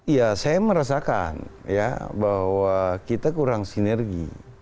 iya saya merasakan ya bahwa kita kurang sinergi